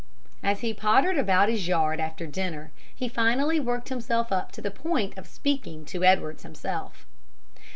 As he pottered about his yard after dinner, he finally worked himself up to the point of speaking to Edwards himself.